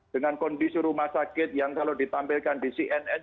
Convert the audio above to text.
dengan kondisi rumah sakit yang kalau ditampilkan di cnn